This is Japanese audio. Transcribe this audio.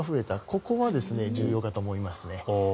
ここは重要かと思いますね。